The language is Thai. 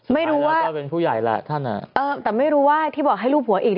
ไม่รู้ว่าแต่ไม่รู้ว่าที่บอกให้ลูกผัวอีก